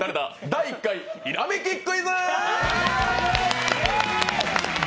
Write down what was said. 第１回ひらめきクイズ！